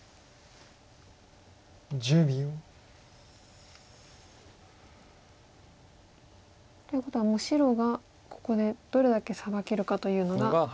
１０秒。ということはもう白がここでどれだけサバけるかというのが。